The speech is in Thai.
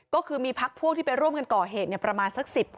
ก็คือมีพักพวกที่ไปร่วมกันก่อเหตุประมาณสัก๑๐คน